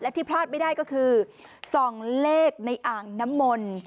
ที่พลาดไม่ได้ก็คือส่องเลขในอ่างน้ำมนต์